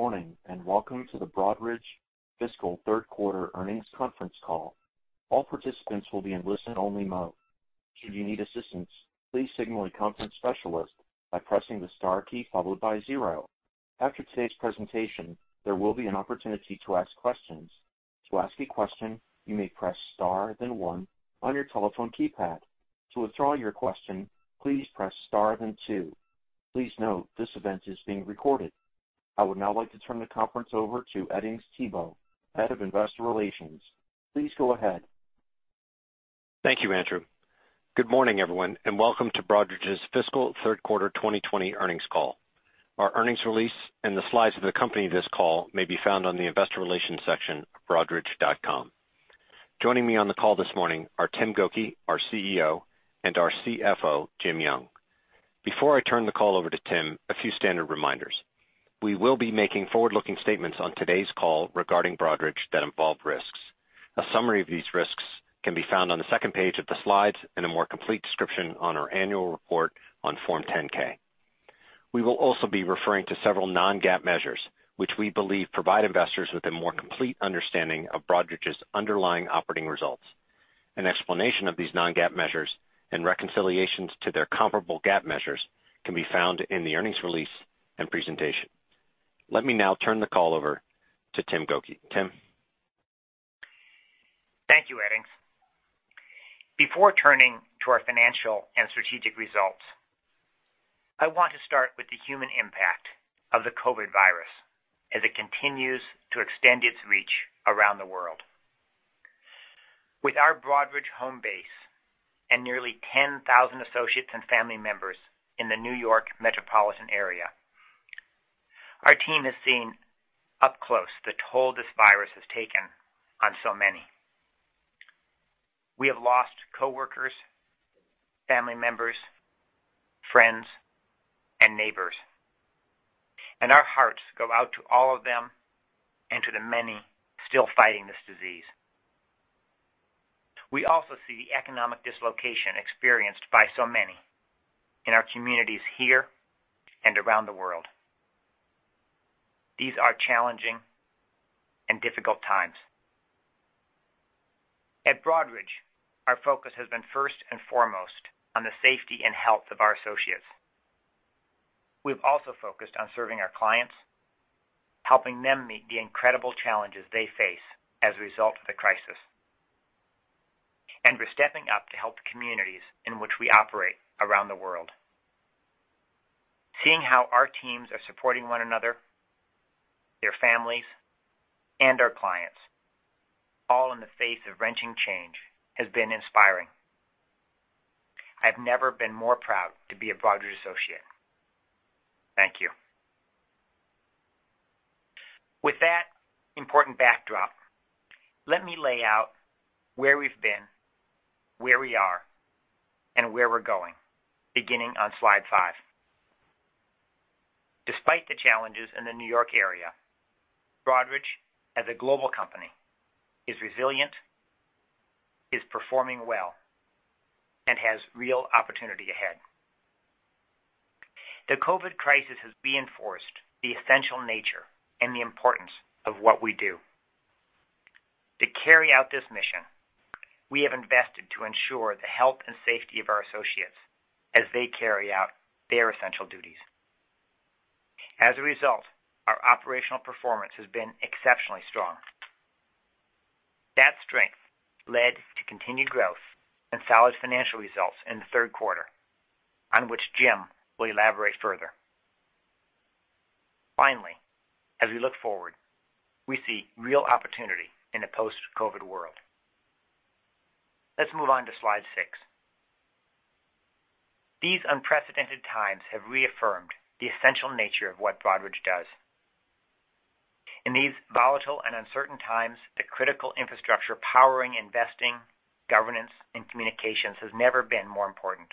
Good morning, welcome to the Broadridge fiscal third quarter earnings conference call. All participants will be in listen-only mode. Should you need assistance, please signal a conference specialist by pressing the star key followed by 0. After today's presentation, there will be an opportunity to ask questions. To ask a question, you may press star then 1 on your telephone keypad. To withdraw your question, please press star then 2. Please note this event is being recorded. I would now like to turn the conference over to Edings Thibault, Head of Investor Relations. Please go ahead. Thank you, Andrew. Good morning, everyone, and welcome to Broadridge's fiscal third quarter 2020 earnings call. Our earnings release and the slides that accompany this call may be found on the investor relations section of broadridge.com. Joining me on the call this morning are Tim Gokey, our CEO, and our CFO, Jim Young. Before I turn the call over to Tim, a few standard reminders. We will be making forward-looking statements on today's call regarding Broadridge that involve risks. A summary of these risks can be found on the second page of the slides, and a more complete description on our annual report on Form 10-K. We will also be referring to several non-GAAP measures, which we believe provide investors with a more complete understanding of Broadridge's underlying operating results. An explanation of these non-GAAP measures and reconciliations to their comparable GAAP measures can be found in the earnings release and presentation. Let me now turn the call over to Tim Gokey. Tim? Thank you, Edings. Before turning to our financial and strategic results, I want to start with the human impact of the COVID virus as it continues to extend its reach around the world. With our Broadridge home base and nearly 10,000 associates and family members in the New York metropolitan area, our team has seen up close the toll this virus has taken on so many. We have lost coworkers, family members, friends, and neighbors. Our hearts go out to all of them and to the many still fighting this disease. We also see the economic dislocation experienced by so many in our communities here and around the world. These are challenging and difficult times. At Broadridge, our focus has been first and foremost on the safety and health of our associates. We've also focused on serving our clients, helping them meet the incredible challenges they face as a result of the crisis. We're stepping up to help the communities in which we operate around the world. Seeing how our teams are supporting one another, their families, and our clients, all in the face of wrenching change, has been inspiring. I've never been more proud to be a Broadridge associate. Thank you. With that important backdrop, let me lay out where we've been, where we are, and where we're going, beginning on slide five. Despite the challenges in the New York area, Broadridge as a global company is resilient, is performing well, and has real opportunity ahead. The COVID crisis has reinforced the essential nature and the importance of what we do. To carry out this mission, we have invested to ensure the health and safety of our associates as they carry out their essential duties. As a result, our operational performance has been exceptionally strong. That strength led to continued growth and solid financial results in the third quarter, on which Jim will elaborate further. Finally, as we look forward, we see real opportunity in a post-COVID world. Let's move on to slide six. These unprecedented times have reaffirmed the essential nature of what Broadridge does. In these volatile and uncertain times, the critical infrastructure powering investing, governance, and communications has never been more important.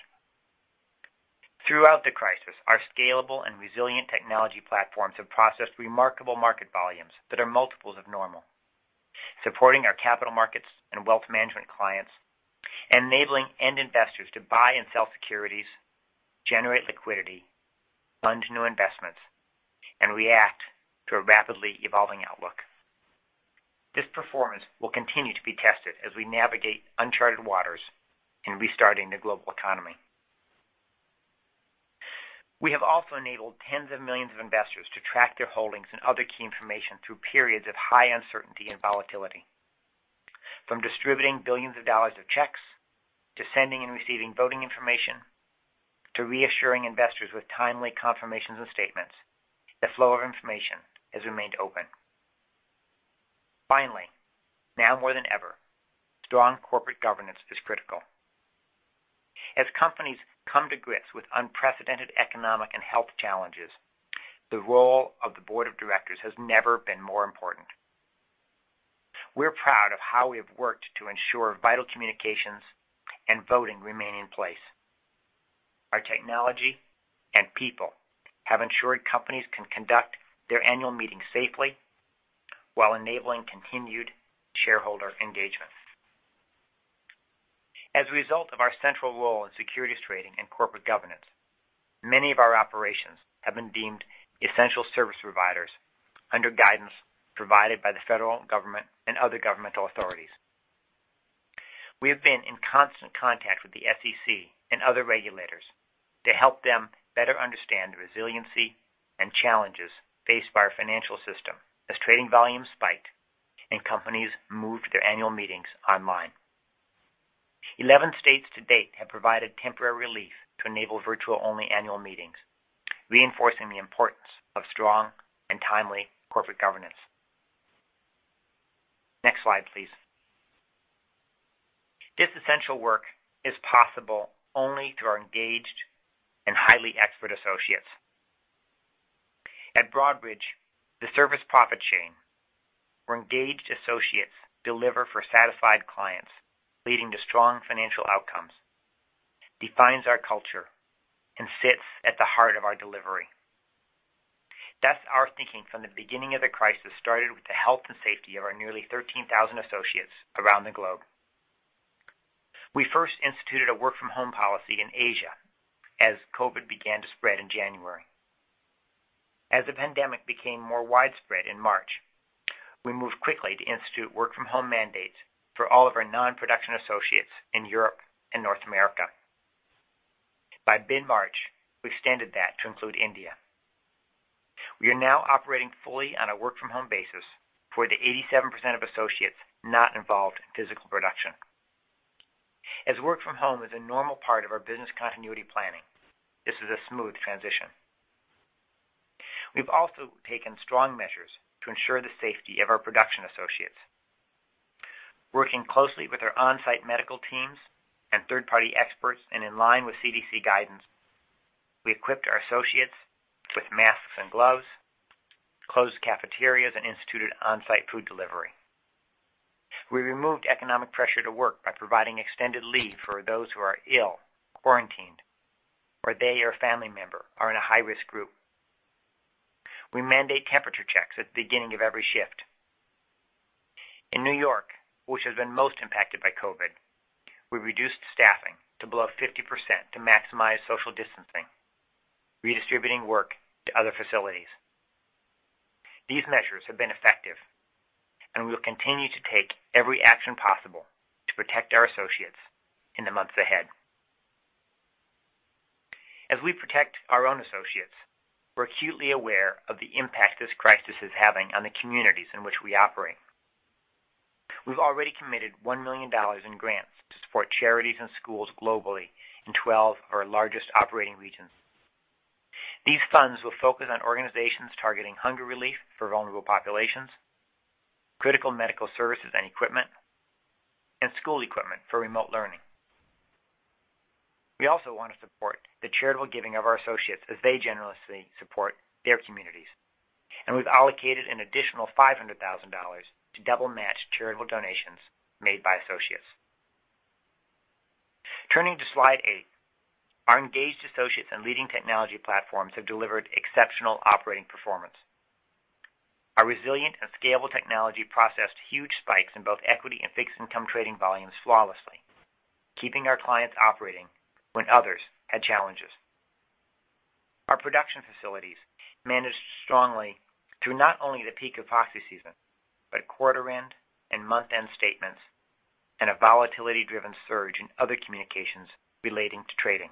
Throughout the crisis, our scalable and resilient technology platforms have processed remarkable market volumes that are multiples of normal, supporting our capital markets and wealth management clients, enabling end investors to buy and sell securities, generate liquidity, fund new investments, and react to a rapidly evolving outlook. This performance will continue to be tested as we navigate uncharted waters in restarting the global economy. We have also enabled tens of millions of investors to track their holdings and other key information through periods of high uncertainty and volatility. From distributing billions of dollars of checks, to sending and receiving voting information, to reassuring investors with timely confirmations and statements, the flow of information has remained open. Finally, now more than ever, strong corporate governance is critical. As companies come to grips with unprecedented economic and health challenges, the role of the board of directors has never been more important. We're proud of how we have worked to ensure vital communications and voting remain in place. Our technology and people have ensured companies can conduct their annual meetings safely while enabling continued shareholder engagement. As a result of our central role in securities trading and corporate governance, many of our operations have been deemed essential service providers under guidance provided by the federal government and other governmental authorities. We have been in constant contact with the SEC and other regulators to help them better understand the resiliency and challenges faced by our financial system as trading volumes spiked and companies moved their annual meetings online. 11 states to date have provided temporary relief to enable virtual-only annual meetings, reinforcing the importance of strong and timely corporate governance. Next slide, please. This essential work is possible only through our engaged and highly expert associates. At Broadridge, the service profit chain, where engaged associates deliver for satisfied clients, leading to strong financial outcomes, defines our culture and sits at the heart of our delivery. Thus, our thinking from the beginning of the crisis started with the health and safety of our nearly 13,000 associates around the globe. We first instituted a work-from-home policy in Asia as COVID began to spread in January. As the pandemic became more widespread in March, we moved quickly to institute work-from-home mandates for all of our non-production associates in Europe and North America. By mid-March, we extended that to include India. We are now operating fully on a work-from-home basis for the 87% of associates not involved in physical production. As work from home is a normal part of our business continuity planning, this is a smooth transition. We've also taken strong measures to ensure the safety of our production associates. Working closely with our on-site medical teams and third-party experts, and in line with CDC guidance, we equipped our associates with masks and gloves, closed cafeterias, and instituted on-site food delivery. We removed economic pressure to work by providing extended leave for those who are ill, quarantined, or they or a family member are in a high-risk group. We mandate temperature checks at the beginning of every shift. In New York, which has been most impacted by COVID, we reduced staffing to below 50% to maximize social distancing, redistributing work to other facilities. These measures have been effective, and we will continue to take every action possible to protect our associates in the months ahead. As we protect our own associates, we're acutely aware of the impact this crisis is having on the communities in which we operate. We've already committed $1 million in grants to support charities and schools globally in 12 of our largest operating regions. These funds will focus on organizations targeting hunger relief for vulnerable populations, critical medical services and equipment, and school equipment for remote learning. We also want to support the charitable giving of our associates as they generously support their communities. We've allocated an additional $500,000 to double-match charitable donations made by associates. Turning to slide eight. Our engaged associates and leading technology platforms have delivered exceptional operating performance. Our resilient and scalable technology processed huge spikes in both equity and fixed income trading volumes flawlessly, keeping our clients operating when others had challenges. Our production facilities managed strongly through not only the peak of proxy season, but quarter-end and month-end statements and a volatility-driven surge in other communications relating to trading.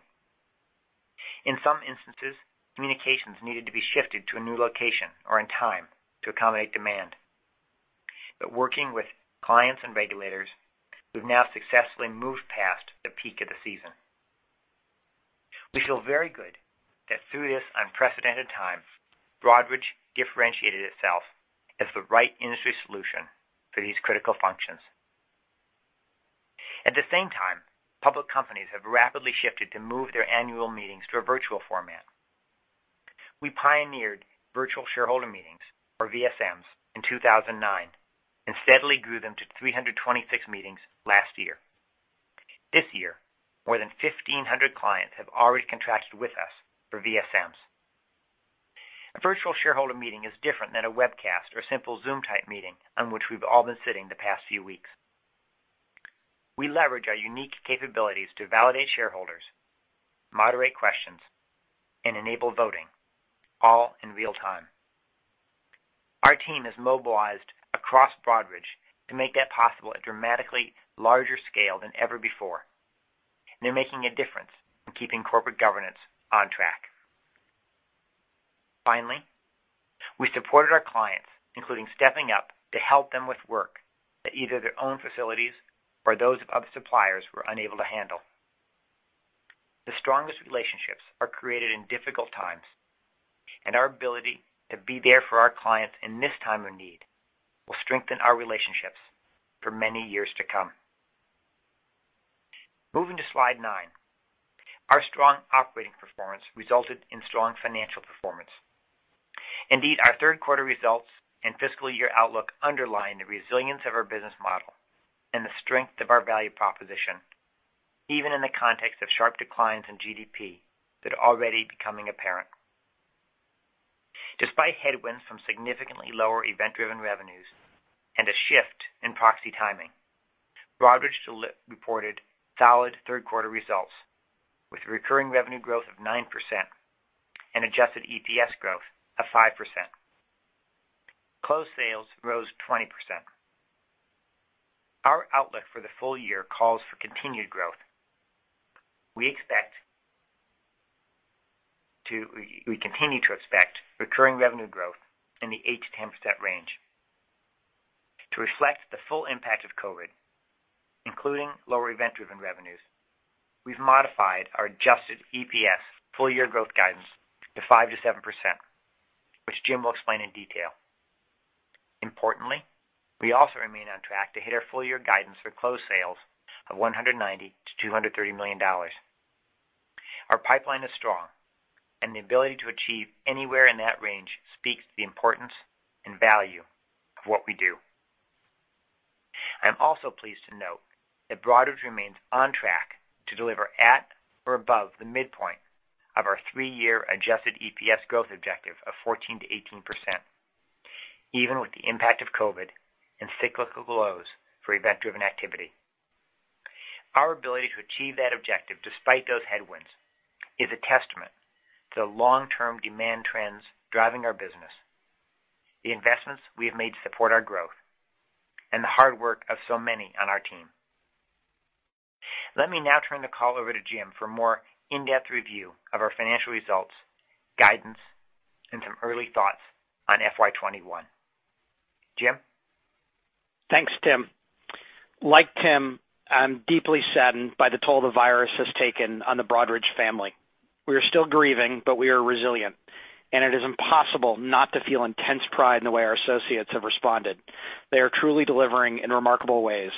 In some instances, communications needed to be shifted to a new location or in time to accommodate demand. Working with clients and regulators, we've now successfully moved past the peak of the season. We feel very good that through this unprecedented time, Broadridge differentiated itself as the right industry solution for these critical functions. At the same time, public companies have rapidly shifted to move their annual meetings to a virtual format. We pioneered virtual shareholder meetings, or VSMs, in 2009 and steadily grew them to 326 meetings last year. This year, more than 1,500 clients have already contracted with us for VSMs. A virtual shareholder meeting is different than a webcast or simple Zoom-type meeting on which we've all been sitting the past few weeks. We leverage our unique capabilities to validate shareholders, moderate questions, and enable voting, all in real time. Our team has mobilized across Broadridge to make that possible at dramatically larger scale than ever before. They're making a difference in keeping corporate governance on track. We supported our clients, including stepping up to help them with work that either their own facilities or those of suppliers were unable to handle. Our ability to be there for our clients in this time of need will strengthen our relationships for many years to come. Moving to slide nine. Our strong operating performance resulted in strong financial performance. Indeed, our third quarter results and fiscal year outlook underline the resilience of our business model and the strength of our value proposition, even in the context of sharp declines in GDP that are already becoming apparent. Despite headwinds from significantly lower event-driven revenues and a shift in proxy timing, Broadridge reported solid third-quarter results with recurring revenue growth of 9% and adjusted EPS growth of 5%. Closed sales rose 20%. Our outlook for the full year calls for continued growth. We continue to expect recurring revenue growth in the 8%-10% range. To reflect the full impact of COVID, including lower event-driven revenues, we've modified our adjusted EPS full-year growth guidance to 5%-7%, which Jim will explain in detail. Importantly, we also remain on track to hit our full-year guidance for closed sales of $190 million-$230 million. Our pipeline is strong, and the ability to achieve anywhere in that range speaks to the importance and value of what we do. I'm also pleased to note that Broadridge remains on track to deliver at or above the midpoint of our 3-year adjusted EPS growth objective of 14%-18%, even with the impact of COVID and cyclical lows for event-driven activity. Our ability to achieve that objective despite those headwinds is a testament to the long-term demand trends driving our business, the investments we have made to support our growth, and the hard work of so many on our team. Let me now turn the call over to Jim for a more in-depth review of our financial results, guidance, and some early thoughts on FY 2021. Jim? Thanks, Tim. Like Tim, I'm deeply saddened by the toll the virus has taken on the Broadridge family. We are still grieving, but we are resilient, and it is impossible not to feel intense pride in the way our associates have responded. They are truly delivering in remarkable ways.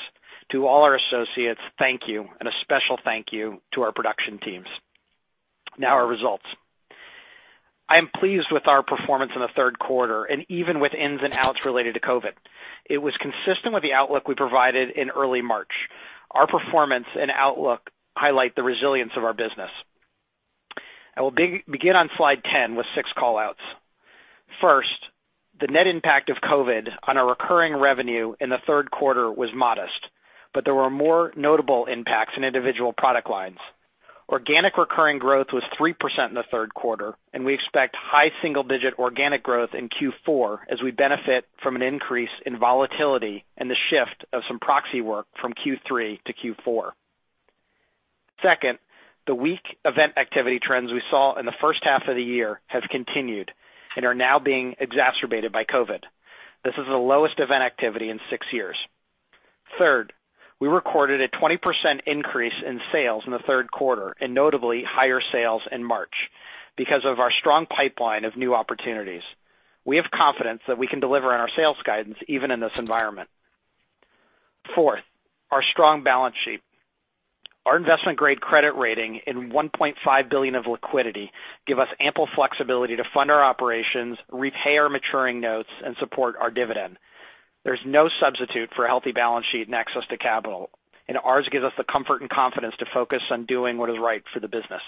To all our associates, thank you, and a special thank you to our production teams. Now our results. I am pleased with our performance in the third quarter, and even with ins and outs related to COVID. It was consistent with the outlook we provided in early March. Our performance and outlook highlight the resilience of our business. I will begin on slide 10 with six call-outs. First, the net impact of COVID on our recurring revenue in the third quarter was modest, but there were more notable impacts in individual product lines. Organic recurring growth was 3% in the third quarter, and we expect high single-digit organic growth in Q4 as we benefit from an increase in volatility and the shift of some proxy work from Q3 to Q4. Second, the weak event activity trends we saw in the first half of the year have continued and are now being exacerbated by COVID. This is the lowest event activity in six years. Third, we recorded a 20% increase in sales in the third quarter, and notably higher sales in March because of our strong pipeline of new opportunities. We have confidence that we can deliver on our sales guidance even in this environment. Fourth, our strong balance sheet. Our investment-grade credit rating and $1.5 billion of liquidity give us ample flexibility to fund our operations, repay our maturing notes, and support our dividend. There's no substitute for a healthy balance sheet and access to capital, and ours gives us the comfort and confidence to focus on doing what is right for the business.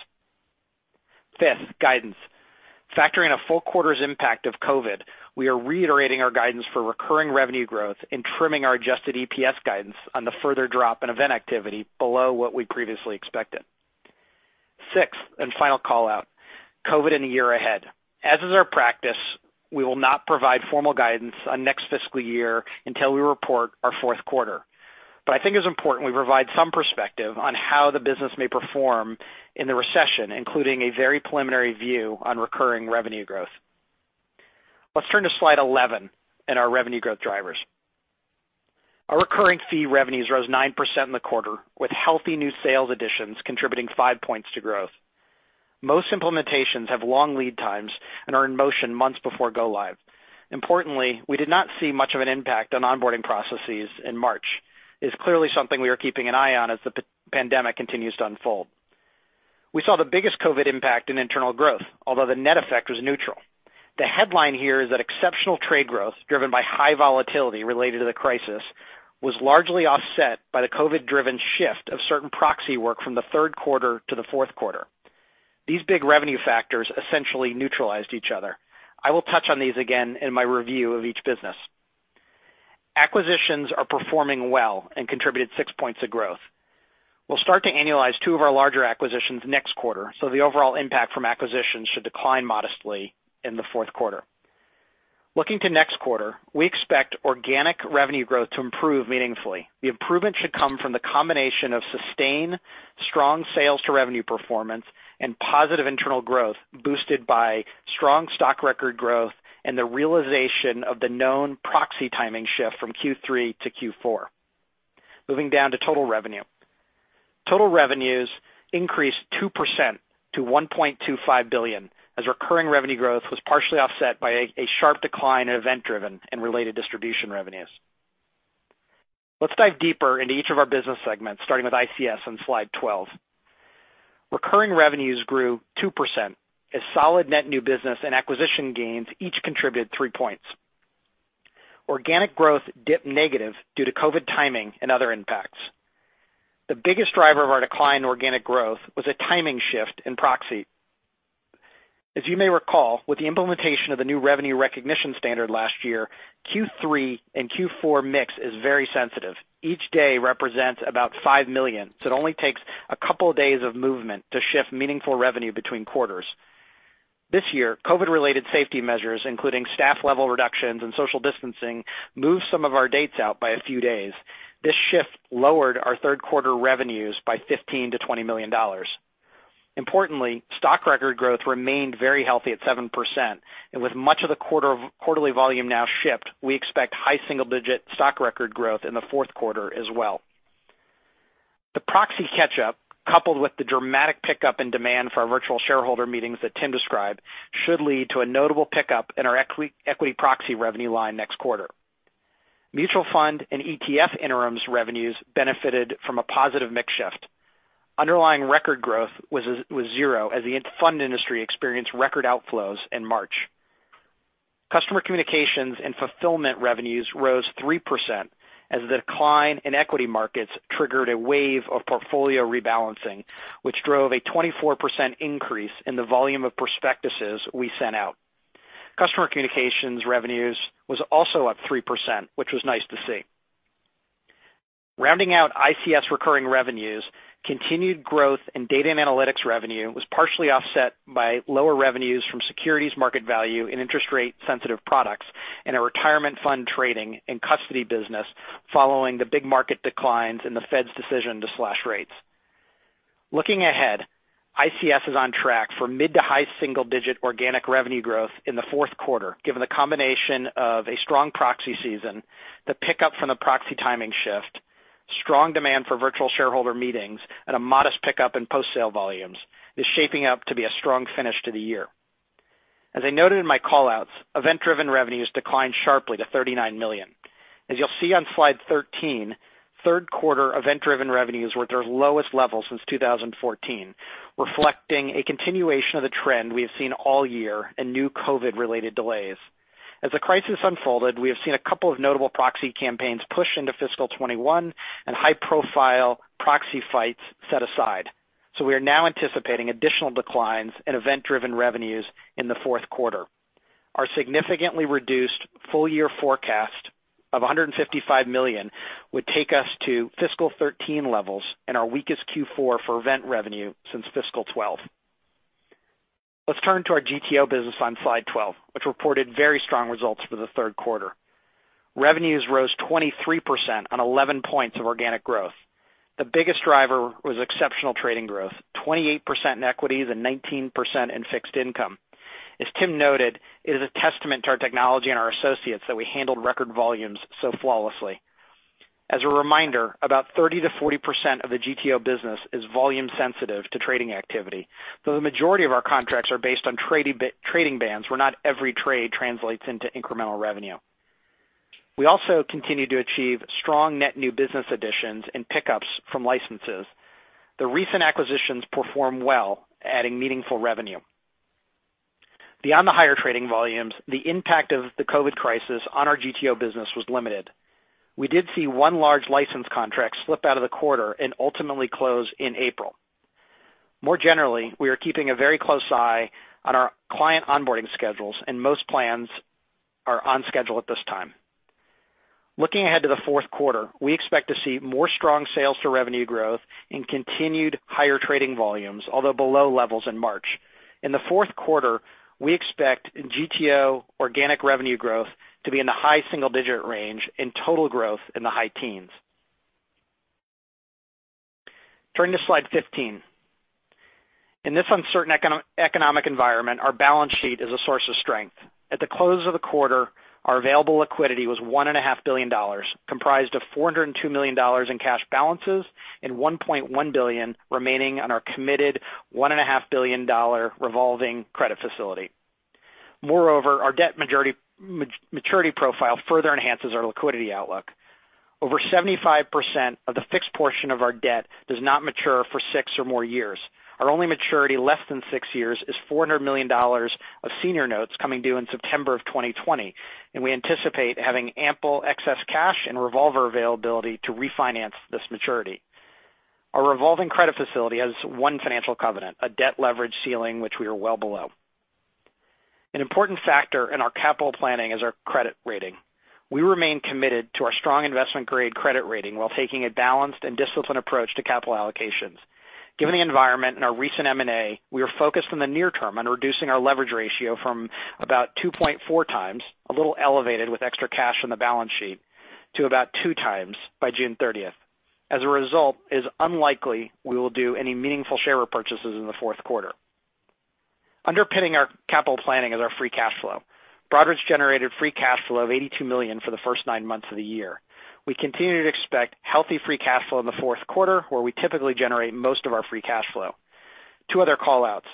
Fifth, guidance. Factoring a full quarter's impact of COVID, we are reiterating our guidance for recurring revenue growth and trimming our adjusted EPS guidance on the further drop in event activity below what we previously expected. Sixth and final call-out, COVID in the year ahead. As is our practice, we will not provide formal guidance on next fiscal year until we report our fourth quarter. I think it's important we provide some perspective on how the business may perform in the recession, including a very preliminary view on recurring revenue growth. Let's turn to slide 11 and our revenue growth drivers. Our recurring fee revenues rose 9% in the quarter, with healthy new sales additions contributing 5 points to growth. Most implementations have long lead times and are in motion months before go live. Importantly, we did not see much of an impact on onboarding processes in March. It's clearly something we are keeping an eye on as the pandemic continues to unfold. We saw the biggest COVID impact in internal growth, although the net effect was neutral. The headline here is that exceptional trade growth, driven by high volatility related to the crisis, was largely offset by the COVID-driven shift of certain proxy work from the third quarter to the fourth quarter. These big revenue factors essentially neutralized each other. I will touch on these again in my review of each business. Acquisitions are performing well and contributed 6 points of growth. We'll start to annualize two of our larger acquisitions next quarter. The overall impact from acquisitions should decline modestly in the fourth quarter. Looking to next quarter, we expect organic revenue growth to improve meaningfully. The improvement should come from the combination of sustained strong sales to revenue performance and positive internal growth boosted by strong stock record growth and the realization of the known proxy timing shift from Q3 to Q4. Moving down to total revenue. Total revenues increased 2% to $1.25 billion, as recurring revenue growth was partially offset by a sharp decline in event-driven and related distribution revenues. Let's dive deeper into each of our business segments, starting with ICS on slide 12. Recurring revenues grew 2% as solid net new business and acquisition gains each contributed three points. Organic growth dipped negative due to COVID timing and other impacts. The biggest driver of our decline in organic growth was a timing shift in proxy. As you may recall, with the implementation of the new revenue recognition standard last year, Q3 and Q4 mix is very sensitive. Each day represents about $5 million, so it only takes a couple of days of movement to shift meaningful revenue between quarters. This year, COVID-related safety measures, including staff level reductions and social distancing, moved some of our dates out by a few days. This shift lowered our third quarter revenues by $15 million-$20 million. Importantly, stock record growth remained very healthy at 7%, and with much of the quarterly volume now shipped, we expect high single-digit stock record growth in the fourth quarter as well. The proxy catch-up, coupled with the dramatic pickup in demand for our virtual shareholder meetings that Tim described, should lead to a notable pickup in our equity proxy revenue line next quarter. Mutual fund and ETF interims revenues benefited from a positive mix shift. Underlying record growth was zero as the fund industry experienced record outflows in March. Customer communications and fulfillment revenues rose 3% as the decline in equity markets triggered a wave of portfolio rebalancing, which drove a 24% increase in the volume of prospectuses we sent out. Customer communications revenues was also up 3%, which was nice to see. Rounding out ICS recurring revenues, continued growth in data and analytics revenue was partially offset by lower revenues from securities market value and interest rate sensitive products, and our retirement fund trading and custody business following the big market declines in the Fed's decision to slash rates. Looking ahead, ICS is on track for mid to high single digit organic revenue growth in the fourth quarter, given the combination of a strong proxy season, the pickup from the proxy timing shift, strong demand for virtual shareholder meetings, and a modest pickup in post-sale volumes. It's shaping up to be a strong finish to the year. I noted in my call-outs, event-driven revenues declined sharply to $39 million. You'll see on slide 13, third quarter event-driven revenues were at their lowest level since 2014, reflecting a continuation of the trend we have seen all year and new COVID-related delays. The crisis unfolded, we have seen a couple of notable proxy campaigns push into fiscal 2021 and high profile proxy fights set aside. We are now anticipating additional declines in event-driven revenues in the fourth quarter. Our significantly reduced full year forecast of $155 million would take us to fiscal 2013 levels and our weakest Q4 for event revenue since fiscal 2012. Let's turn to our GTO business on slide 12, which reported very strong results for the third quarter. Revenues rose 23% on 11 points of organic growth. The biggest driver was exceptional trading growth, 28% in equities and 19% in fixed income. As Tim noted, it is a testament to our technology and our associates that we handled record volumes so flawlessly. As a reminder, about 30%-40% of the GTO business is volume sensitive to trading activity, though the majority of our contracts are based on trading bands where not every trade translates into incremental revenue. We also continue to achieve strong net new business additions and pickups from licenses. The recent acquisitions performed well, adding meaningful revenue. Beyond the higher trading volumes, the impact of the COVID crisis on our GTO business was limited. We did see one large license contract slip out of the quarter and ultimately close in April. More generally, we are keeping a very close eye on our client onboarding schedules, and most plans are on schedule at this time. Looking ahead to the fourth quarter, we expect to see more strong sales to revenue growth and continued higher trading volumes, although below levels in March. In the fourth quarter, we expect GTO organic revenue growth to be in the high single-digit range, and total growth in the high teens. Turn to slide 15. In this uncertain economic environment, our balance sheet is a source of strength. At the close of the quarter, our available liquidity was $1.5 billion, comprised of $402 million in cash balances and $1.1 billion remaining on our committed $1.5 billion revolving credit facility. Our debt maturity profile further enhances our liquidity outlook. Over 75% of the fixed portion of our debt does not mature for six or more years. Our only maturity less than six years is $400 million of senior notes coming due in September of 2020, and we anticipate having ample excess cash and revolver availability to refinance this maturity. Our revolving credit facility has one financial covenant, a debt leverage ceiling, which we are well below. An important factor in our capital planning is our credit rating. We remain committed to our strong investment-grade credit rating while taking a balanced and disciplined approach to capital allocations. Given the environment and our recent M&A, we are focused on the near term on reducing our leverage ratio from about 2.4 times, a little elevated with extra cash on the balance sheet, to about 2 times by June 30th. It is unlikely we will do any meaningful share repurchases in the fourth quarter. Underpinning our capital planning is our free cash flow. Broadridge generated free cash flow of $82 million for the first nine months of the year. We continue to expect healthy free cash flow in the fourth quarter, where we typically generate most of our free cash flow. Two other call-outs.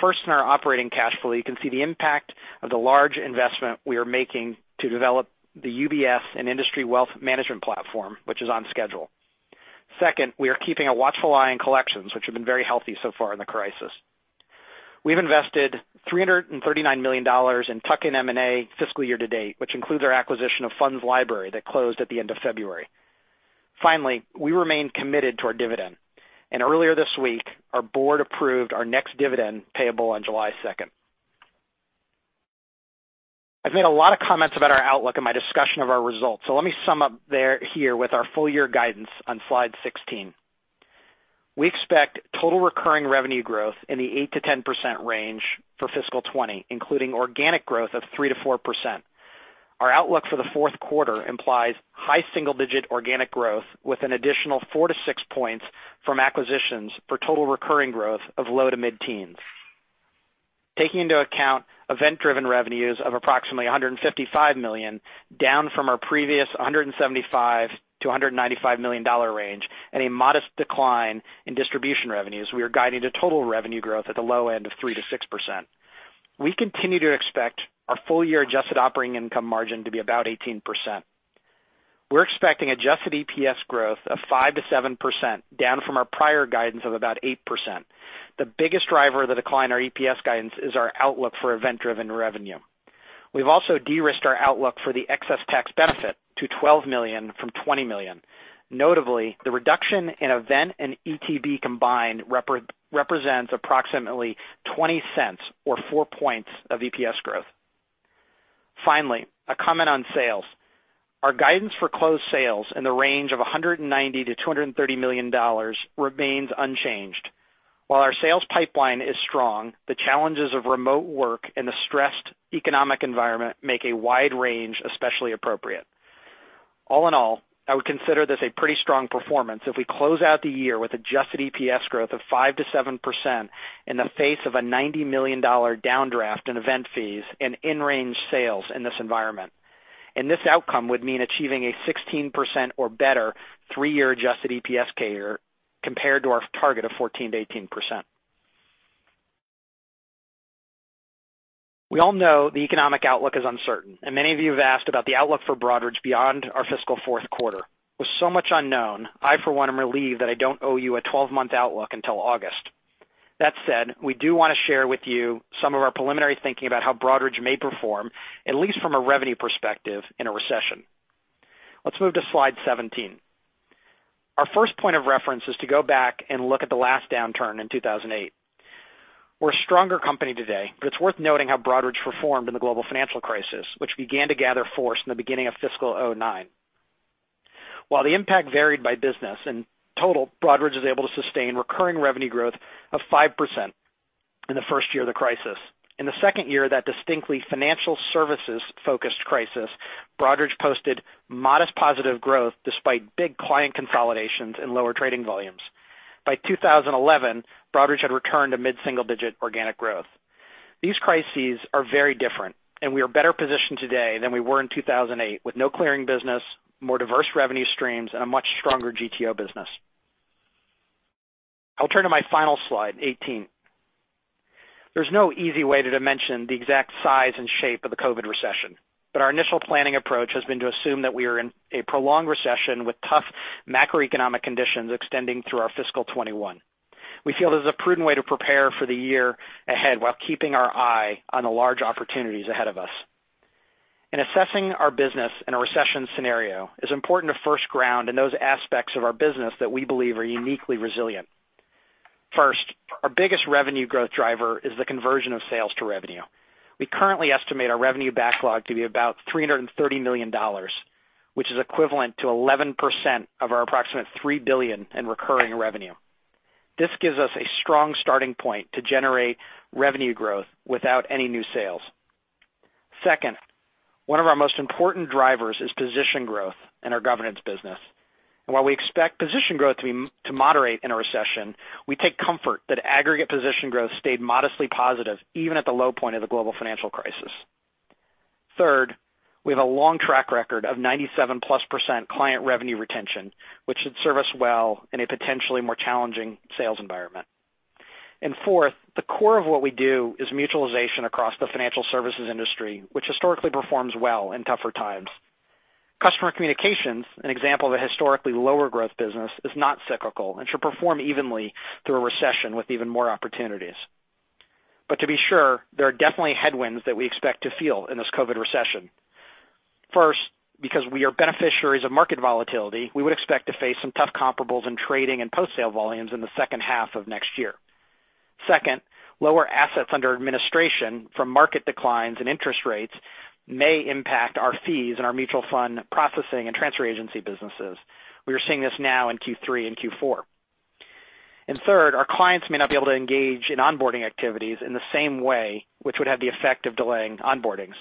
First, in our operating cash flow, you can see the impact of the large investment we are making to develop the UBS and Industry Wealth Management platform, which is on schedule. Second, we are keeping a watchful eye on collections, which have been very healthy so far in the crisis. We've invested $339 million in tuck-in M&A fiscal year to date, which includes our acquisition of FundsLibrary that closed at the end of February. We remain committed to our dividend, and earlier this week, our board approved our next dividend payable on July 2nd. I've made a lot of comments about our outlook in my discussion of our results, so let me sum up here with our full year guidance on slide 16. We expect total recurring revenue growth in the 8%-10% range for fiscal 2020, including organic growth of 3%-4%. Our outlook for the fourth quarter implies high single-digit organic growth with an additional four to six points from acquisitions for total recurring growth of low to mid-teens. Taking into account event-driven revenues of approximately $155 million, down from our previous $175 million-$195 million range, and a modest decline in distribution revenues, we are guiding to total revenue growth at the low end of 3%-6%. We continue to expect our full year adjusted operating income margin to be about 18%. We're expecting adjusted EPS growth of 5%-7%, down from our prior guidance of about 8%. The biggest driver of the decline in our EPS guidance is our outlook for event-driven revenue. We've also de-risked our outlook for the excess tax benefit to $12 million from $20 million. Notably, the reduction in event and ETB combined represents approximately $0.20 or four points of EPS growth. Finally, a comment on sales. Our guidance for closed sales in the range of $190 million-$230 million remains unchanged. While our sales pipeline is strong, the challenges of remote work and the stressed economic environment make a wide range especially appropriate. All in all, I would consider this a pretty strong performance if we close out the year with adjusted EPS growth of 5%-7% in the face of a $90 million downdraft in event fees and in-range sales in this environment. This outcome would mean achieving a 16% or better three-year adjusted EPS CAGR compared to our target of 14%-18%. We all know the economic outlook is uncertain, and many of you have asked about the outlook for Broadridge beyond our fiscal fourth quarter. With so much unknown, I, for one, am relieved that I don't owe you a 12-month outlook until August. That said, we do want to share with you some of our preliminary thinking about how Broadridge may perform, at least from a revenue perspective, in a recession. Let's move to slide 17. Our first point of reference is to go back and look at the last downturn in 2008. We're a stronger company today, it's worth noting how Broadridge performed in the global financial crisis, which began to gather force in the beginning of fiscal 2009. While the impact varied by business, in total, Broadridge was able to sustain recurring revenue growth of 5% in the first year of the crisis. In the second year of that distinctly financial services-focused crisis, Broadridge posted modest positive growth despite big client consolidations and lower trading volumes. By 2011, Broadridge had returned to mid-single-digit organic growth. These crises are very different. We are better positioned today than we were in 2008 with no clearing business, more diverse revenue streams, and a much stronger GTO business. I'll turn to my final slide 18. There's no easy way to dimension the exact size and shape of the COVID recession. Our initial planning approach has been to assume that we are in a prolonged recession with tough macroeconomic conditions extending through our fiscal 2021. We feel this is a prudent way to prepare for the year ahead while keeping our eye on the large opportunities ahead of us. In assessing our business in a recession scenario, it's important to first ground in those aspects of our business that we believe are uniquely resilient. First, our biggest revenue growth driver is the conversion of sales to revenue. We currently estimate our revenue backlog to be about $330 million, which is equivalent to 11% of our approximate $3 billion in recurring revenue. This gives us a strong starting point to generate revenue growth without any new sales. Second, one of our most important drivers is position growth in our governance business. While we expect position growth to moderate in a recession, we take comfort that aggregate position growth stayed modestly positive even at the low point of the global financial crisis. Third, we have a long track record of 97+% client revenue retention, which should serve us well in a potentially more challenging sales environment. Fourth, the core of what we do is mutualization across the financial services industry, which historically performs well in tougher times. Customer communications, an example of a historically lower growth business, is not cyclical and should perform evenly through a recession with even more opportunities. To be sure, there are definitely headwinds that we expect to feel in this COVID recession. First, because we are beneficiaries of market volatility, we would expect to face some tough comparables in trading and post-sale volumes in the second half of next year. Second, lower assets under administration from market declines and interest rates may impact our fees and our mutual fund processing and transfer agency businesses. We are seeing this now in Q3 and Q4. Third, our clients may not be able to engage in onboarding activities in the same way, which would have the effect of delaying onboardings.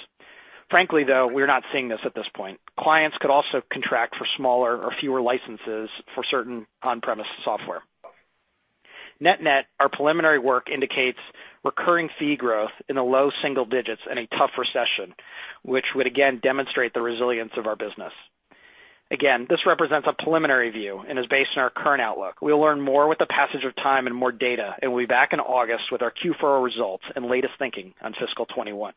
Frankly, though, we are not seeing this at this point. Clients could also contract for smaller or fewer licenses for certain on-premise software. Net net, our preliminary work indicates recurring fee growth in the low single digits in a tough recession, which would again demonstrate the resilience of our business. Again, this represents a preliminary view and is based on our current outlook. We will learn more with the passage of time and more data and will be back in August with our Q4 results and latest thinking on fiscal 2021.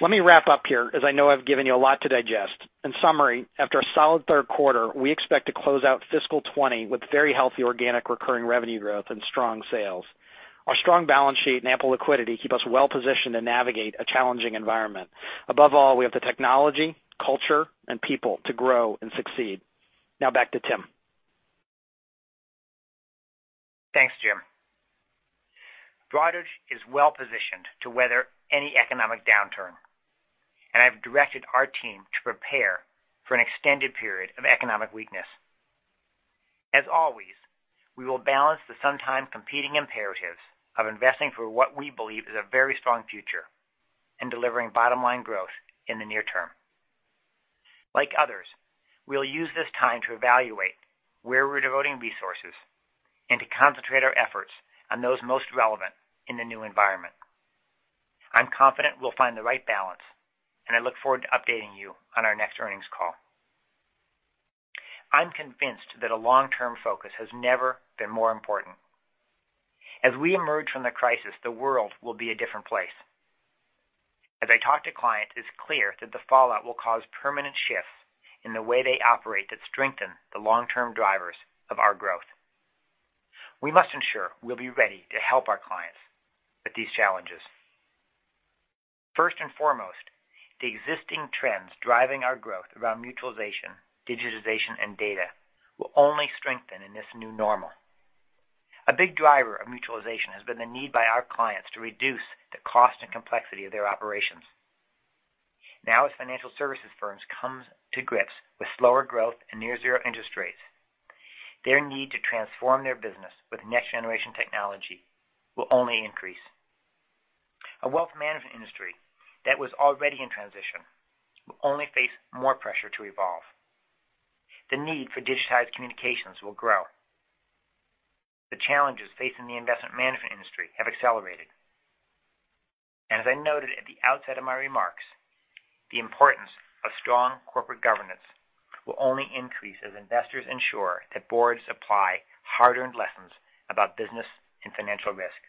Let me wrap up here, as I know I've given you a lot to digest. In summary, after a solid third quarter, we expect to close out fiscal 2020 with very healthy organic recurring revenue growth and strong sales. Our strong balance sheet and ample liquidity keep us well-positioned to navigate a challenging environment. Above all, we have the technology, culture, and people to grow and succeed. Now back to Tim. Thanks, Jim. Broadridge is well-positioned to weather any economic downturn, and I've directed our team to prepare for an extended period of economic weakness. As always, we will balance the sometimes competing imperatives of investing for what we believe is a very strong future and delivering bottom-line growth in the near term. Like others, we'll use this time to evaluate where we're devoting resources and to concentrate our efforts on those most relevant in the new environment. I'm confident we'll find the right balance, and I look forward to updating you on our next earnings call. I'm convinced that a long-term focus has never been more important. As we emerge from the crisis, the world will be a different place. As I talk to clients, it's clear that the fallout will cause permanent shifts in the way they operate that strengthen the long-term drivers of our growth. We must ensure we'll be ready to help our clients with these challenges. First and foremost, the existing trends driving our growth around mutualization, digitization, and data will only strengthen in this new normal. A big driver of mutualization has been the need by our clients to reduce the cost and complexity of their operations. As financial services firms come to grips with slower growth and near zero interest rates, their need to transform their business with next-generation technology will only increase. A wealth management industry that was already in transition will only face more pressure to evolve. The need for digitized communications will grow. The challenges facing the investment management industry have accelerated. As I noted at the outset of my remarks, the importance of strong corporate governance will only increase as investors ensure that boards apply hard-earned lessons about business and financial risk.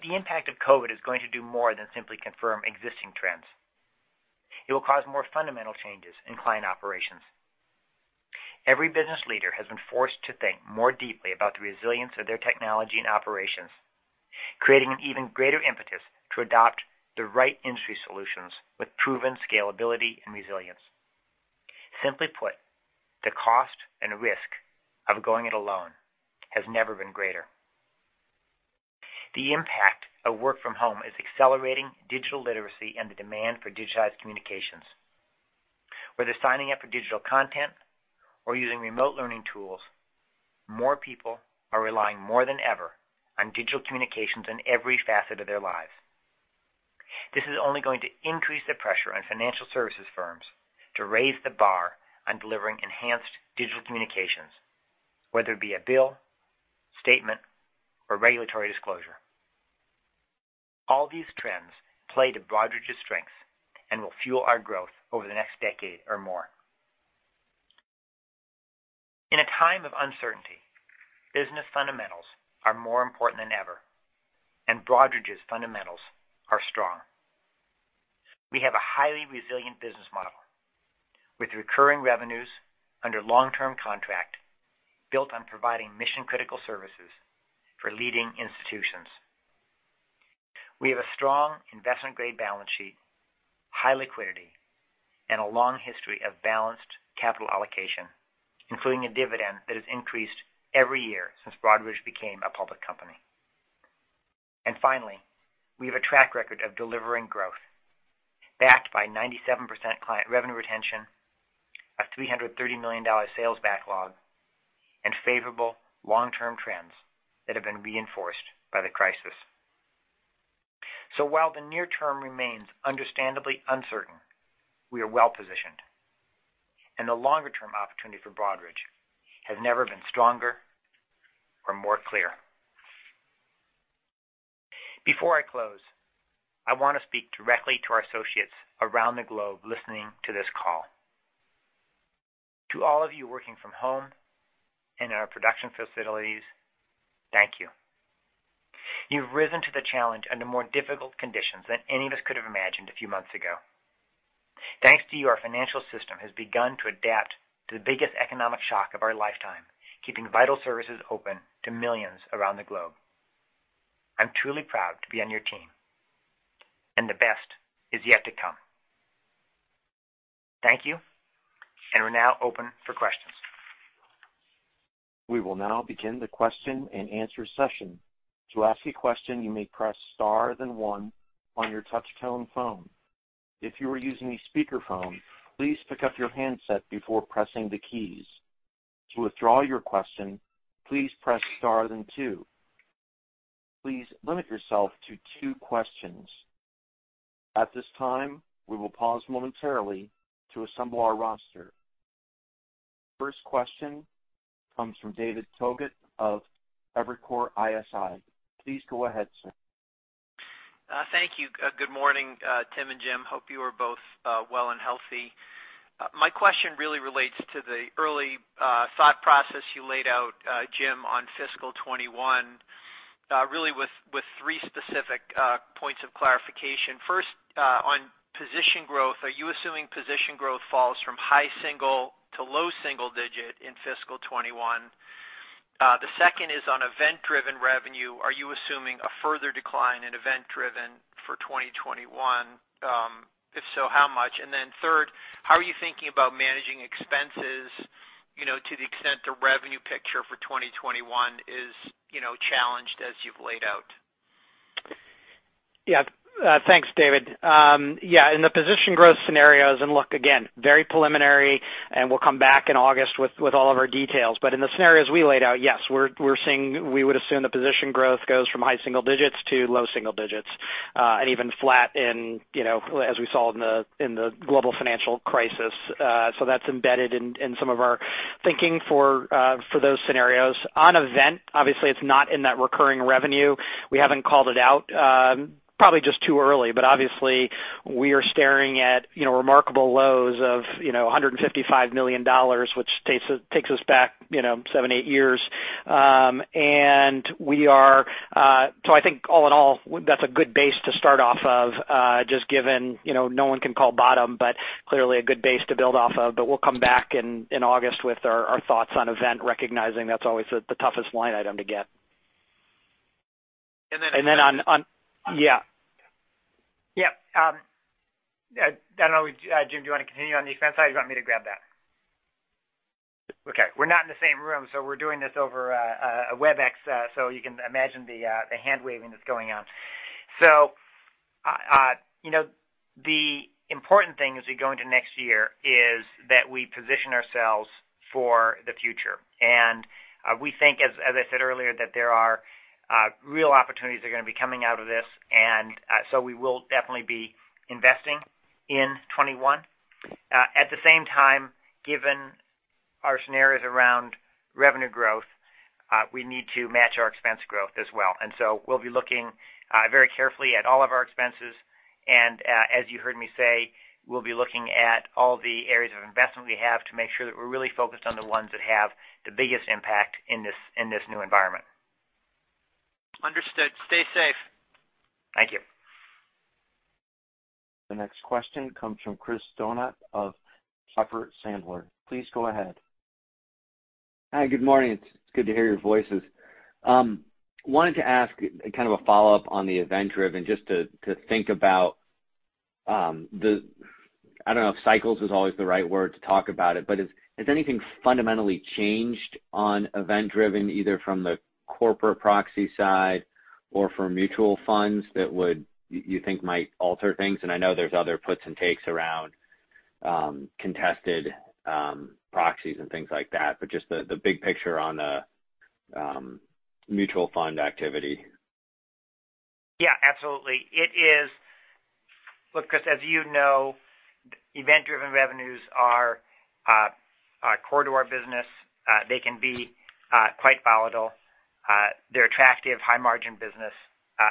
The impact of COVID is going to do more than simply confirm existing trends. It will cause more fundamental changes in client operations. Every business leader has been forced to think more deeply about the resilience of their technology and operations, creating an even greater impetus to adopt the right industry solutions with proven scalability and resilience. Simply put, the cost and risk of going it alone has never been greater. The impact of work from home is accelerating digital literacy and the demand for digitized communications. Whether signing up for digital content or using remote learning tools, more people are relying more than ever on digital communications in every facet of their lives. This is only going to increase the pressure on financial services firms to raise the bar on delivering enhanced digital communications, whether it be a bill, statement, or regulatory disclosure. All these trends play to Broadridge's strengths and will fuel our growth over the next decade or more. In a time of uncertainty, business fundamentals are more important than ever, and Broadridge's fundamentals are strong. We have a highly resilient business model with recurring revenues under long-term contract built on providing mission-critical services for leading institutions. We have a strong investment-grade balance sheet, high liquidity, and a long history of balanced capital allocation, including a dividend that has increased every year since Broadridge became a public company. Finally, we have a track record of delivering growth backed by 97% client revenue retention, a $330 million sales backlog, and favorable long-term trends that have been reinforced by the crisis. While the near term remains understandably uncertain, we are well-positioned, and the longer-term opportunity for Broadridge has never been stronger or more clear. Before I close, I want to speak directly to our associates around the globe listening to this call. To all of you working from home and in our production facilities, thank you. You've risen to the challenge under more difficult conditions than any of us could have imagined a few months ago. Thanks to you, our financial system has begun to adapt to the biggest economic shock of our lifetime, keeping vital services open to millions around the globe. I'm truly proud to be on your team, and the best is yet to come. Thank you, and we're now open for questions. We will now begin the question and answer session. To ask a question, you may press star then one on your touch-tone phone. If you are using a speakerphone, please pick up your handset before pressing the keys. To withdraw your question, please press star then two. Please limit yourself to two questions. At this time, we will pause momentarily to assemble our roster. First question comes from David Togut of Evercore ISI. Please go ahead, sir. Thank you. Good morning, Tim and Jim. Hope you are both well and healthy. My question really relates to the early thought process you laid out, Jim, on fiscal '21, really with three specific points of clarification. First, on position growth, are you assuming position growth falls from high single to low single digit in fiscal '21? The second is on event-driven revenue. Are you assuming a further decline in event-driven for 2021? If so, how much? Third, how are you thinking about managing expenses, to the extent the revenue picture for 2021 is challenged as you've laid out? Thanks, David. In the position growth scenarios, look, again, very preliminary, we'll come back in August with all of our details. In the scenarios we laid out, yes, we would assume the position growth goes from high single digits to low single digits, even flat as we saw in the global financial crisis. That's embedded in some of our thinking for those scenarios. On event, obviously it's not in that recurring revenue. We haven't called it out. Probably just too early. Obviously, we are staring at remarkable lows of $155 million, which takes us back seven, eight years. I think all in all, that's a good base to start off of, just given no one can call bottom, clearly a good base to build off of. We'll come back in August with our thoughts on event, recognizing that's always the toughest line item to get. And then- Yeah. Yeah. I don't know. Jim, do you want to continue on the expense side, or you want me to grab that? Okay. We're not in the same room, so we're doing this over a Webex, so you can imagine the hand-waving that's going on. The important thing as we go into next year is that we position ourselves for the future. We think, as I said earlier, that there are real opportunities that are going to be coming out of this. We will definitely be investing in 2021. At the same time, given our scenarios around revenue growth, we need to match our expense growth as well. We'll be looking very carefully at all of our expenses. As you heard me say, we'll be looking at all the areas of investment we have to make sure that we're really focused on the ones that have the biggest impact in this new environment. Understood. Stay safe. Thank you. The next question comes from Chris Donat of Piper Sandler. Please go ahead. Hi. Good morning. It's good to hear your voices. Wanted to ask kind of a follow-up on the event-driven, just to think about I don't know if cycles is always the right word to talk about it, but has anything fundamentally changed on event-driven, either from the corporate proxy side or for mutual funds that you think might alter things? I know there's other puts and takes around contested proxies and things like that, but just the big picture on the mutual fund activity. Yeah, absolutely. Look, Chris, as you know, event-driven revenues are core to our business. They can be quite volatile. They're attractive, high-margin business,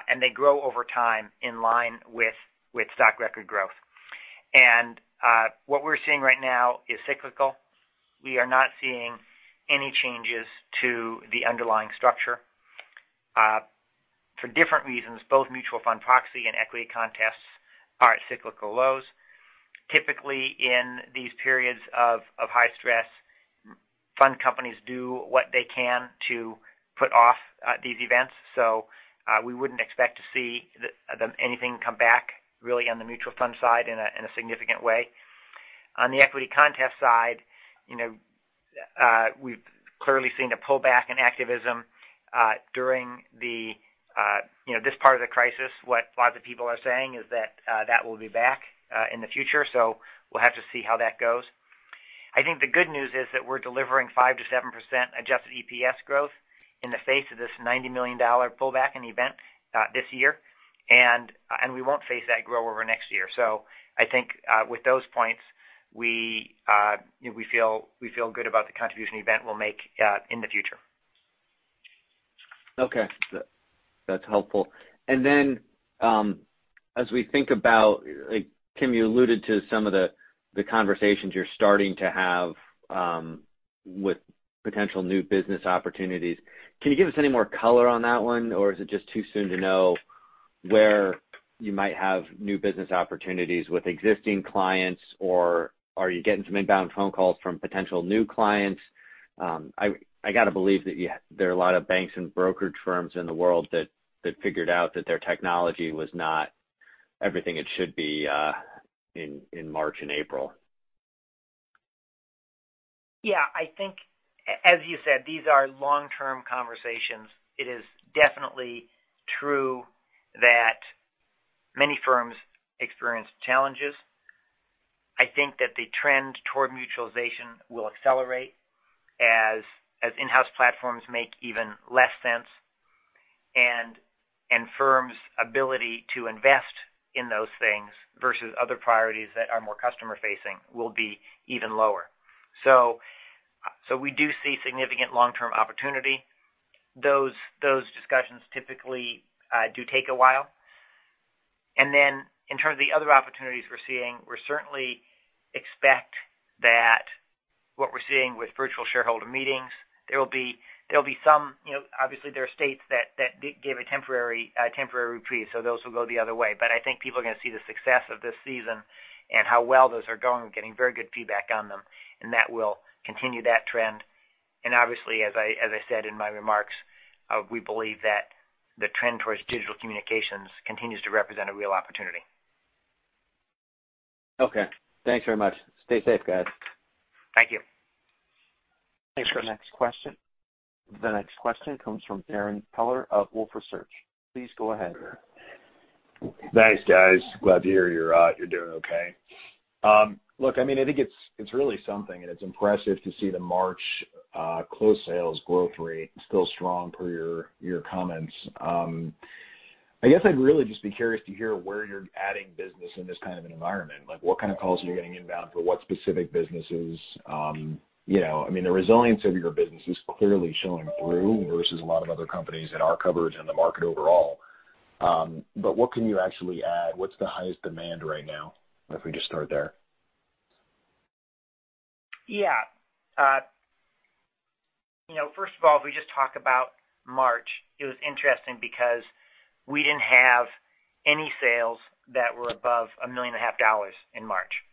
and they grow over time in line with stock record growth. What we're seeing right now is cyclical. We are not seeing any changes to the underlying structure. For different reasons, both mutual fund proxy and equity contests are at cyclical lows. Typically, in these periods of high stress, fund companies do what they can to put off these events. We wouldn't expect to see anything come back really on the mutual fund side in a significant way. On the equity contest side, we've clearly seen a pullback in activism, during this part of the crisis. What lots of people are saying is that that will be back in the future. We'll have to see how that goes. I think the good news is that we're delivering 5% to 7% adjusted EPS growth in the face of this $90 million pullback in event this year. We won't face that grow over next year. I think, with those points, we feel good about the contribution event we'll make in the future. Okay. That's helpful. As we think about, Tim Gokey, you alluded to some of the conversations you're starting to have with potential new business opportunities. Can you give us any more color on that one? Is it just too soon to know where you might have new business opportunities with existing clients, or are you getting some inbound phone calls from potential new clients? I got to believe that there are a lot of banks and brokerage firms in the world that figured out that their technology was not everything it should be in March and April. Yeah. I think, as you said, these are long-term conversations. It is definitely true that many firms experienced challenges. I think that the trend toward mutualization will accelerate as in-house platforms make even less sense, and firms' ability to invest in those things versus other priorities that are more customer-facing will be even lower. We do see significant long-term opportunity. Those discussions typically do take a while. In terms of the other opportunities we're seeing, we certainly expect that what we're seeing with Virtual Shareholder Meetings, obviously there are states that give a temporary reprieve, so those will go the other way. I think people are going to see the success of this season and how well those are going. We're getting very good feedback on them, and that will continue that trend. Obviously, as I said in my remarks, we believe that the trend towards digital communications continues to represent a real opportunity. Okay. Thanks very much. Stay safe, guys. Thank you. Thanks. The next question comes from Darrin Peller of Wolfe Research. Please go ahead. Thanks, guys. Glad to hear you're doing okay. Look, I think it's really something, and it's impressive to see the March close sales growth rate still strong per your comments. I guess I'd really just be curious to hear where you're adding business in this kind of an environment. What kind of calls are you getting inbound for what specific businesses? The resilience of your business is clearly showing through versus a lot of other companies in our coverage and the market overall. What can you actually add? What's the highest demand right now, if we just start there? Yeah. First of all, if we just talk about March, it was interesting because we didn't have any sales that were above $1.5 million in March.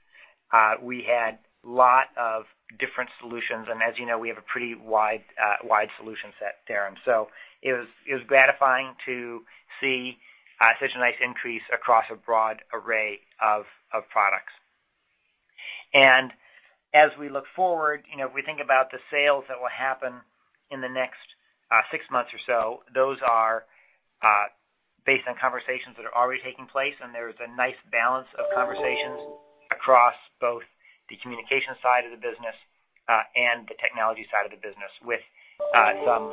We had lot of different solutions, and as you know, we have a pretty wide solution set, Darrin. It was gratifying to see such a nice increase across a broad array of products. As we look forward, we think about the sales that will happen in the next six months or so. Those are based on conversations that are already taking place, and there's a nice balance of conversations across both the communication side of the business and the technology side of the business with some,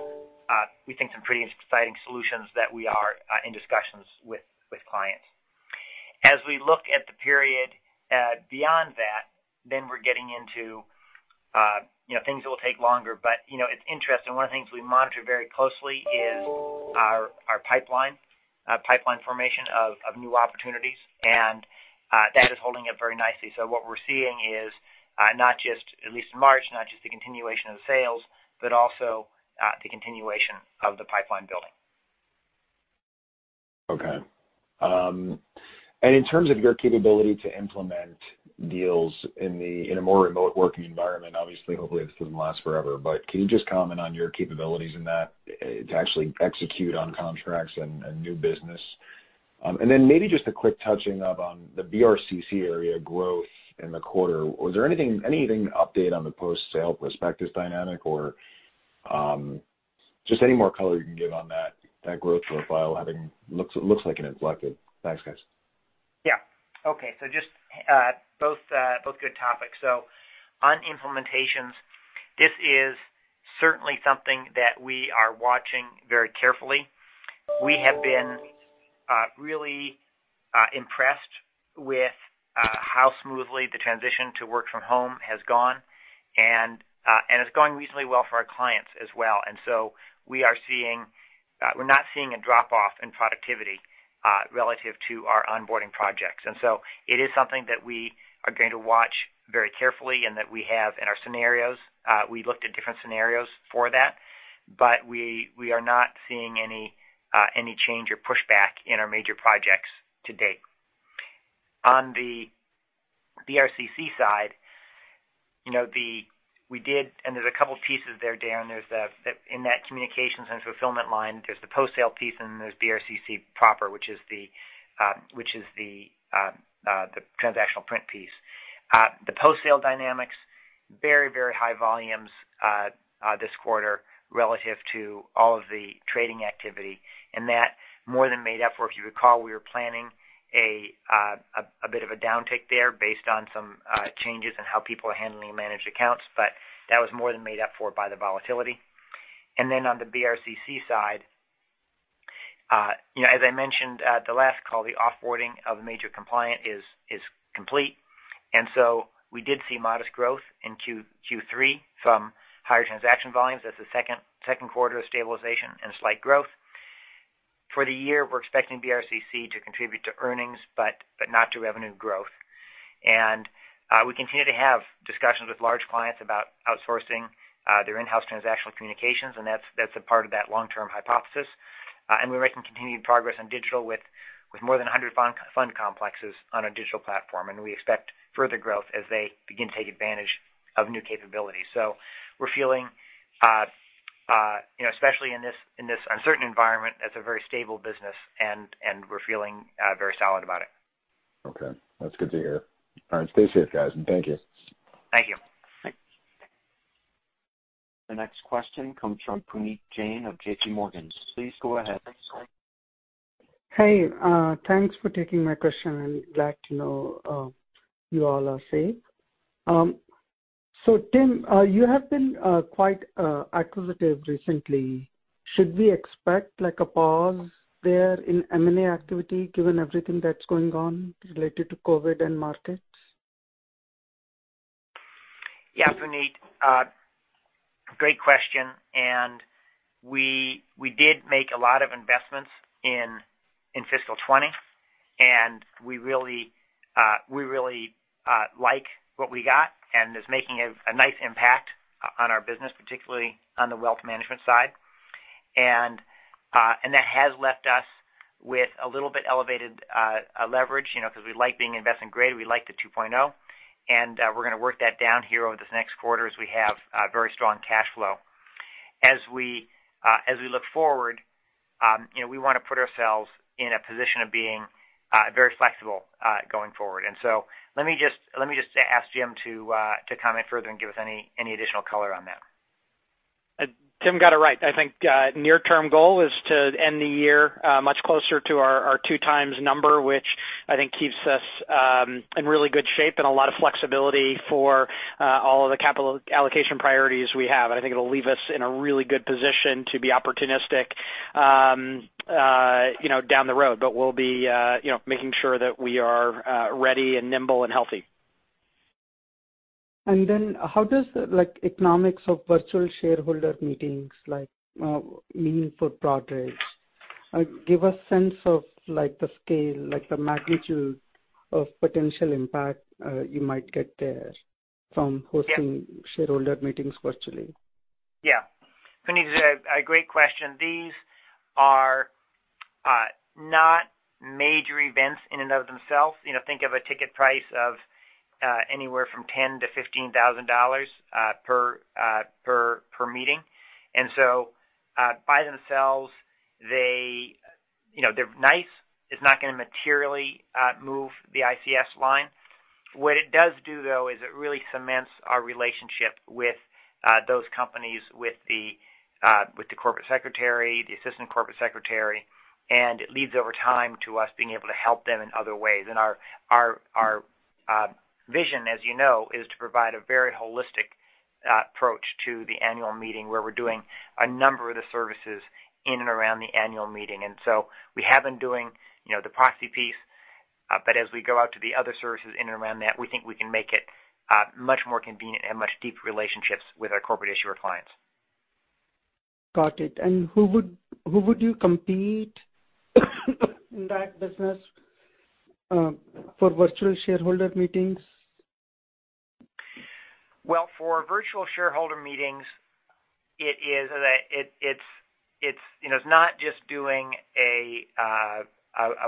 we think, some pretty exciting solutions that we are in discussions with clients. As we look at the period beyond that, then we're getting into things that will take longer. It's interesting. One of the things we monitor very closely is our pipeline formation of new opportunities, and that is holding up very nicely. What we're seeing is, at least in March, not just the continuation of sales, but also the continuation of the pipeline building. Okay. In terms of your capability to implement deals in a more remote working environment, obviously, hopefully this doesn't last forever, but can you just comment on your capabilities in that to actually execute on contracts and new business? Maybe just a quick touching up on the BRCC area growth in the quarter. Was there anything to update on the post-sale prospectus dynamic? Just any more color you can give on that growth profile having looks like an inflected? Thanks, guys. Yeah. Okay. Just both good topics. On implementations, this is certainly something that we are watching very carefully. We have been really impressed with how smoothly the transition to work from home has gone, and it's going reasonably well for our clients as well. We're not seeing a drop-off in productivity relative to our onboarding projects. It is something that we are going to watch very carefully and that we have in our scenarios. We looked at different scenarios for that, but we are not seeing any change or pushback in our major projects to date. On the BRCC side, we did, and there's a couple pieces there, Darren. In that communications and fulfillment line, there's the post-sale piece, and then there's BRCC proper, which is the transactional print piece. The post-sale dynamics, very high volumes this quarter relative to all of the trading activity. That more than made up for, if you recall, we were planning a bit of a downtick there based on some changes in how people are handling managed accounts. That was more than made up for by the volatility. On the BRCC side, as I mentioned the last call, the off-boarding of a major compliant is complete. We did see modest growth in Q3 from higher transaction volumes. That's the second quarter of stabilization and slight growth. For the year, we're expecting BRCC to contribute to earnings, but not to revenue growth. We continue to have discussions with large clients about outsourcing their in-house transactional communications, and that's a part of that long-term hypothesis. We're making continued progress on digital with more than 100 fund complexes on a digital platform, and we expect further growth as they begin to take advantage of new capabilities. We're feeling, especially in this uncertain environment, that's a very stable business, and we're feeling very solid about it. Okay. That's good to hear. All right. Stay safe, guys, and thank you. Thank you. Thanks. The next question comes from Puneet Jain of JPMorgan. Please go ahead. Thanks for taking my question. Glad to know you all are safe. Tim, you have been quite acquisitive recently. Should we expect a pause there in M&A activity given everything that's going on related to COVID and markets? Yeah, Puneet. Great question. We did make a lot of investments in fiscal 2020, and we really like what we got, and it's making a nice impact on our business, particularly on the wealth management side. That has left us with a little bit elevated leverage, because we like being investment grade, we like the 2.0, and we're going to work that down here over this next quarter as we have very strong cash flow. As we look forward, we want to put ourselves in a position of being very flexible, going forward. Let me just ask Jim to comment further and give us any additional color on that. Tim Gokey is right. I think near-term goal is to end the year much closer to our 2 times number, which I think keeps us in really good shape and a lot of flexibility for all of the capital allocation priorities we have. I think it'll leave us in a really good position to be opportunistic down the road. We'll be making sure that we are ready and nimble and healthy. How does economics of virtual shareholder meetings mean for Broadridge? Give a sense of the scale, the magnitude of potential impact you might get there from hosting shareholder meetings virtually. Yeah. Puneet, it's a great question. These are not major events in and of themselves. Think of a ticket price of anywhere from $10,000 to $15,000 per meeting. By themselves, they're nice. It's not going to materially move the ICS line. What it does do, though, is it really cements our relationship with those companies, with the corporate secretary, the assistant corporate secretary, and it leads over time to us being able to help them in other ways. Our vision, as you know, is to provide a very holistic approach to the annual meeting where we're doing a number of the services in and around the annual meeting. We have been doing the proxy piece, but as we go out to the other services in and around that, we think we can make it much more convenient and much deeper relationships with our corporate issuer clients. Got it. Who would you compete in that business for virtual shareholder meetings? For virtual shareholder meetings, it's not just doing a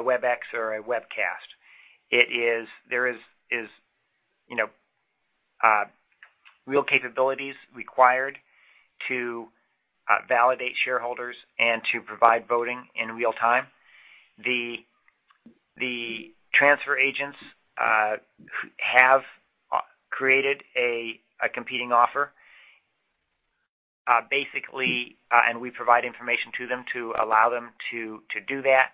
Webex or a webcast. There is real capabilities required to validate shareholders and to provide voting in real time. The transfer agents have created a competing offer. Basically, we provide information to them to allow them to do that.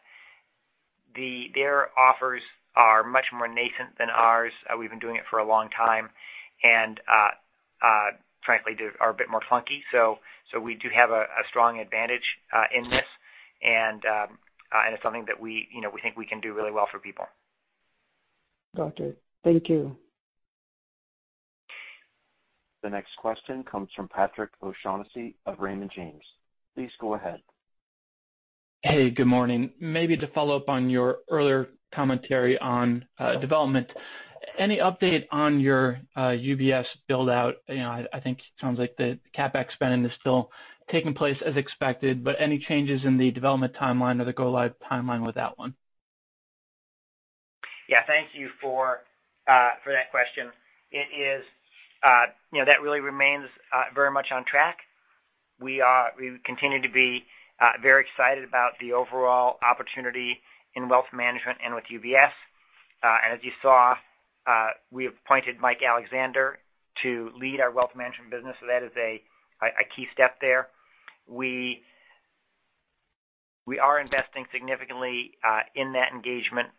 Their offers are much more nascent than ours. We've been doing it for a long time, frankly, they are a bit more clunky. We do have a strong advantage in this, it's something that we think we can do really well for people. Got it. Thank you. The next question comes from Patrick O'Shaughnessy of Raymond James. Please go ahead. Good morning. Maybe to follow up on your earlier commentary on development, any update on your UBS build-out? I think it sounds like the CapEx spending is still taking place as expected, but any changes in the development timeline or the go-live timeline with that one? Yeah. Thank you for that question. That really remains very much on track. We continue to be very excited about the overall opportunity in wealth management and with UBS. As you saw, we have appointed Michael Alexander to lead our wealth management business. That is a key step there. We are investing significantly in that engagement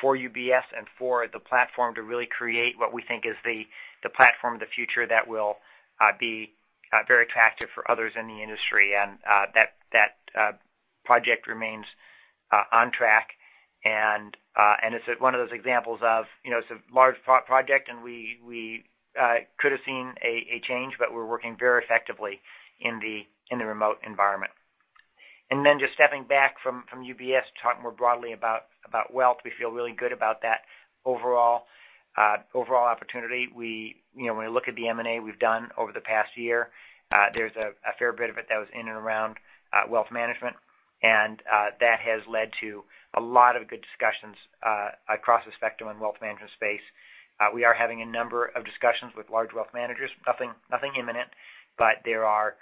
for UBS and for the platform to really create what we think is the platform of the future that will be very attractive for others in the industry. That project remains on track, and it's one of those examples. It's a large project, and we could've seen a change, but we're working very effectively in the remote environment. Just stepping back from UBS to talk more broadly about wealth. We feel really good about that overall opportunity. When we look at the M&A we've done over the past year, there's a fair bit of it that was in and around wealth management, and that has led to a lot of good discussions across the spectrum in wealth management space. We are having a number of discussions with large wealth managers. Nothing imminent, but there are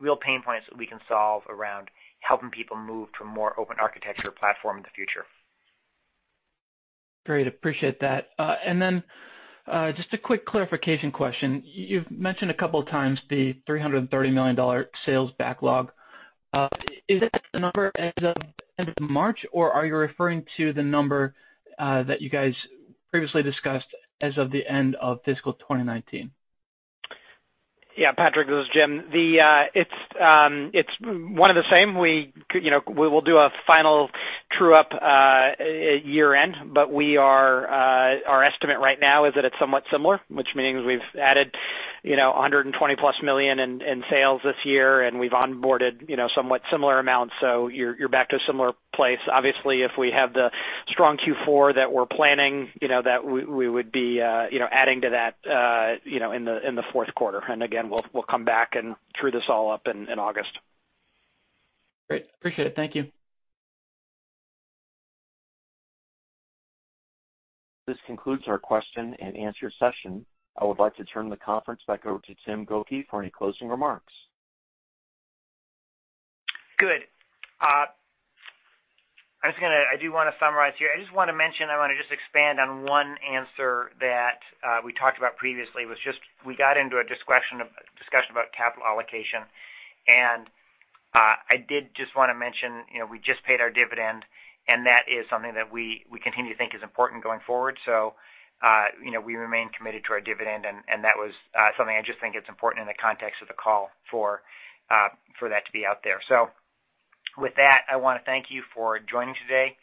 real pain points that we can solve around helping people move to a more open architecture platform in the future. Great. Appreciate that. Just a quick clarification question. You've mentioned a couple of times the $330 million sales backlog. Is that the number as of end of March, or are you referring to the number that you previously discussed as of the end of fiscal 2019? Yeah, Patrick, this is Jim. It's one and the same. We will do a final true-up at year-end, but our estimate right now is that it's somewhat similar, which means we've added $120-plus million in sales this year, and we've onboarded somewhat similar amounts, so you're back to a similar place. Obviously, if we have the strong Q4 that we're planning, that we would be adding to that in the fourth quarter. Again, we'll come back and true this all up in August. Great. Appreciate it. Thank you. This concludes our question and answer session. I would like to turn the conference back over to Tim Gokey for any closing remarks. Good. I do want to summarize here. I just want to mention, I want to just expand on one answer that we talked about previously, was just we got into a discussion about capital allocation. I did just want to mention, we just paid our dividend, and that is something that we continue to think is important going forward. We remain committed to our dividend, and that was something I just think it's important in the context of the call for that to be out there. With that, I want to thank you for joining today.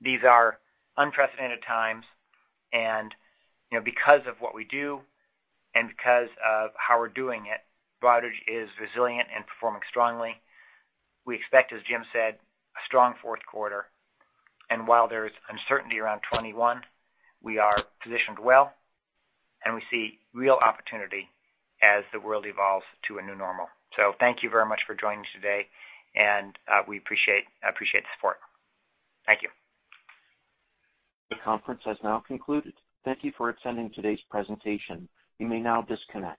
These are unprecedented times, and because of what we do and because of how we're doing it, Broadridge is resilient and performing strongly. We expect, as Jim said, a strong fourth quarter, and while there is uncertainty around 2021, we are positioned well, and we see real opportunity as the world evolves to a new normal. Thank you very much for joining us today. We appreciate the support. Thank you. The conference has now concluded. Thank you for attending today's presentation. You may now disconnect.